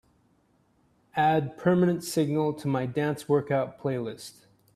Add Permanent Signal to my dance workout playlist.